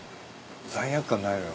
罪悪感ないのよ